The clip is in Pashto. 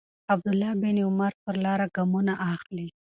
عبدالله بن عمر پر لاره ګامونه اخلي.